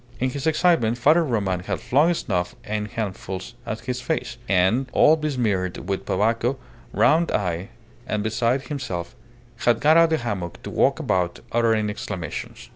In his excitement, Father Roman had flung snuff in handfuls at his face, and, all besmeared with tobacco, round eyed, and beside himself, had got out of the hammock to walk about, uttering exclamations.